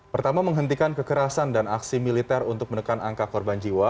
pertama menghentikan kekerasan dan aksi militer untuk menekan angka korban jiwa